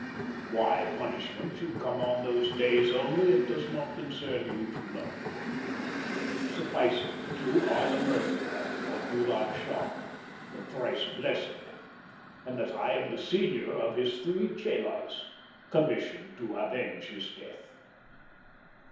"Why punishment should come on those days only it does not concern you to know. Suffice it that you are the murderer of Ghoolab Shah, the thrice blessed, and that I am the senior of his three chelas commissioned to avenge his death.